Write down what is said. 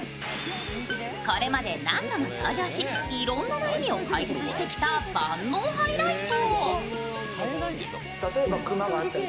これまで何度も登場し、いろんな悩みを解決してきた万能ハイライト。